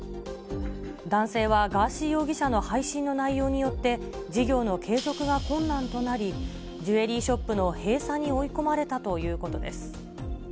男性はガーシー容疑者の配信の内容によって事業の継続が困難となり、ジュエリーショップの閉鎖に追い込まれたということです。